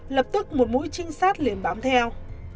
lập tức một mũi trinh sát liền bám theo